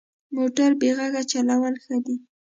موټر بې غږه چلول ښه دي.